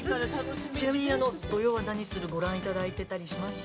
◆ちなみに、「土曜はナニする！？」をご覧いただいてたりしますか。